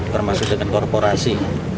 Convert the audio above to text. termasuk dengan korporasi